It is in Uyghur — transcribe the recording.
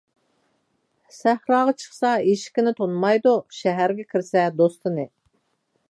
سەھراغا چىقسا ئېشىكىنى تونۇمايدۇ، شەھەرگە كىرسە دوستىنى.